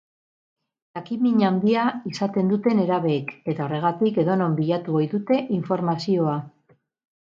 Jakinmin handia izaten dute nerabeek, eta horregatik edonon bilatu ohi dute informazioa.